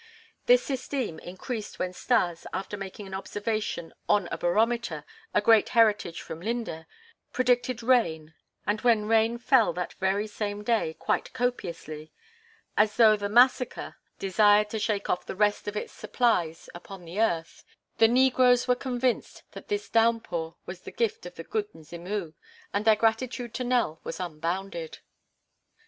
This esteem increased when Stas, after making an observation on a barometer, a great heritage from Linde, predicted rain, and when rain fell that very same day quite copiously, as though the massica* [*The spring rainy season, which had just passed.] desired to shake off the rest of its supplies upon the earth, the negroes were convinced that this downpour was the gift of the "Good Mzimu" and their gratitude to Nell was unbounded.